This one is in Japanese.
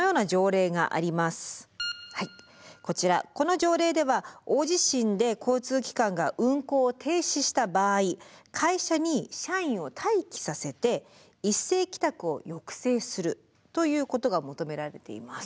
はいこちらこの条例では大地震で交通機関が運行を停止した場合会社に社員を待機させて一斉帰宅を抑制するということが求められています。